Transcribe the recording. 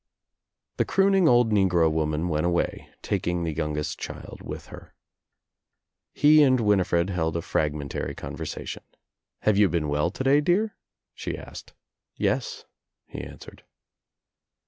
The crooning old negro woman went away, taking the youngest child with her. He and Winifred held Il8 THE TRIUMPH OF THE EGG a fragmentary conversation. "Have you been well to day, dear?" she asked. "Yes," he answered.